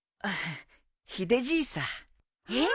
ヒデじいさ。えっ！？